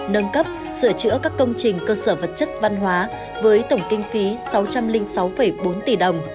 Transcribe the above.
nâng cấp sửa chữa các công trình cơ sở vật chất văn hóa với tổng kinh phí sáu trăm linh sáu bốn tỷ đồng